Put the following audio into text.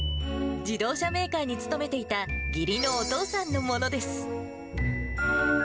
自動車メーカーに勤めていた義理のお父さんのものです。